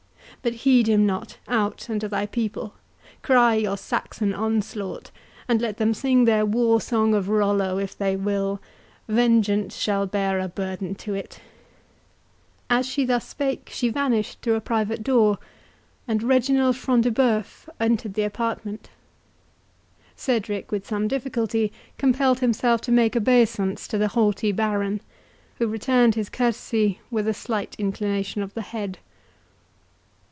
But heed him not—out and to thy people—Cry your Saxon onslaught, and let them sing their war song of Rollo, if they will; vengeance shall bear a burden to it." As she thus spoke, she vanished through a private door, and Reginald Front de Bœuf entered the apartment. Cedric, with some difficulty, compelled himself to make obeisance to the haughty Baron, who returned his courtesy with a slight inclination of the head.